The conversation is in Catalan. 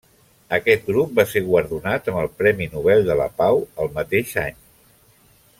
Aquest grup va ser guardonat amb el Premi Nobel de la Pau el mateix any.